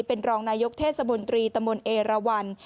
เป็นรองนายกเทศบนตรีตะมนต์เอราวัน